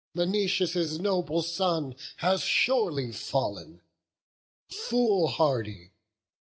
Menoetius' noble son has surely fall'n; Foolhardy!